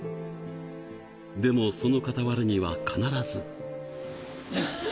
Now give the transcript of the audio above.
でも、その傍らには必ず。